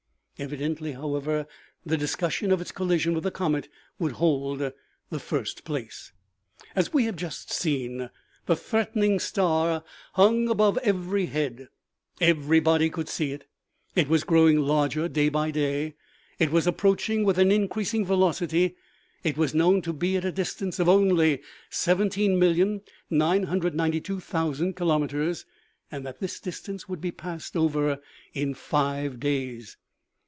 Evidently, however, the discussion of its collision with the comet would hold the first place. As we have just seen, the threatening star hnng above every head ; everybody could see it ; it was growing larger day by day ; it was approaching with an increasing velocity ; it was known to be at a dis tance of only 17,992,000 kilometers, and that this dis tance would be passed over in five days.